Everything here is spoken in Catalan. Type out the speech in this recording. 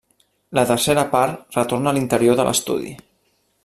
La tercera part retorna a l'interior de l'estudi.